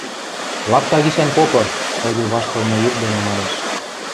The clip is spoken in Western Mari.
Лапка гишӓн попы! — тӓгӱ ваштылмы юк доно манеш.